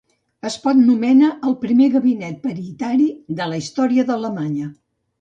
Espot nomena el primer gabinet paritari de la història d'Alemanya.